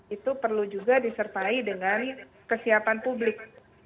itu perlu juga disertai dengan kesiapan publik